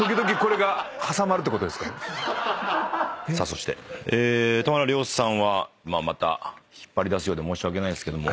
そして田村亮さんはまた引っ張り出すようで申し訳ないですけども。